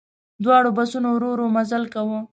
دواړو بسونو ورو ورو مزل کاوه.